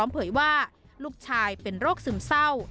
เผยว่าลูกชายเป็นโรคซึมเศร้า